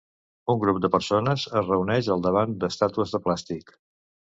Un grup de persones es reuneix al davant d'estàtues de plàstic.